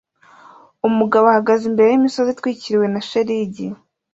Umugabo ahagaze imbere yimisozi itwikiriwe na shelegi